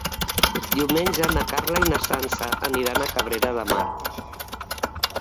Diumenge na Carla i na Sança aniran a Cabrera de Mar.